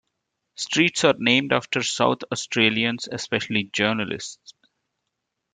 Streets are named after South Australians, especially journalists.